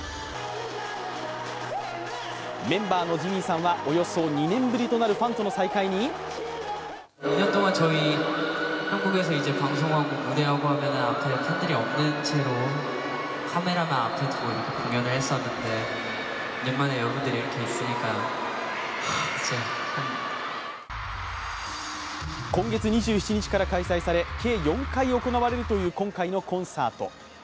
メンバーのＪＩＭＩＮさんはおよそ２年ぶりとなるファンとの再会に今月２７日から開催され計４回行われるという今回のコンサート。